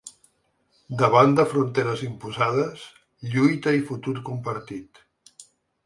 Davant de fronteres imposades, lluita i futur compartit.